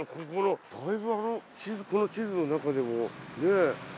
だいぶこの地図の中でもねえ。